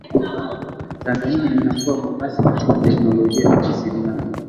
tanzania inakua kwa kasi katika teknolojia ya mawasiliano